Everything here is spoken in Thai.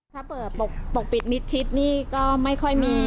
ถ้าเปิดปกปิดมิดชิดนี่ก็ไม่ค่อยมี